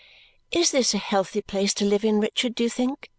"Is this a healthy place to live in, Richard, do you think?"